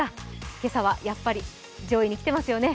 今朝はやっぱり、上位にきていますね。